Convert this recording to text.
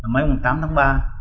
mấy hôm tám tháng ba